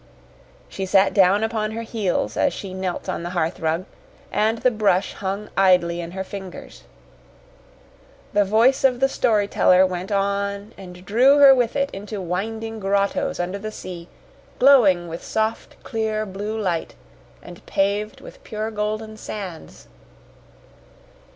She sat down upon her heels as she knelt on the hearth rug, and the brush hung idly in her fingers. The voice of the storyteller went on and drew her with it into winding grottos under the sea, glowing with soft, clear blue light, and paved with pure golden sands.